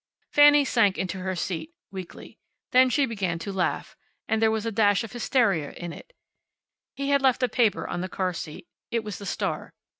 Fanny sank into her seat, weakly. Then she began to laugh, and there was a dash of hysteria in it. He had left a paper on the car seat. It was the Star.